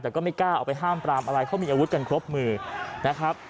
แต่ก็ไม่กล้าออกไปห้ามปรามอะไรเขามีอาวุธกันครบมือนะครับ